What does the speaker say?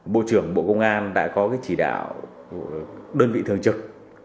bộ trưởng bộ công an đã có chỉ đạo đơn vị thường trực